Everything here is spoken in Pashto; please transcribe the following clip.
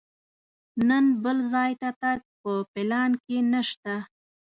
نن بل ځای ته تګ په پلان کې نه شته.